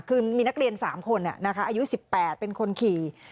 คือมีนักเรียน๓คนอายุ๑๘เป็นคนขี่